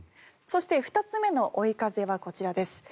そして、２つ目の追い風はこちらです。